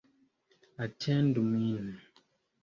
Atendu min.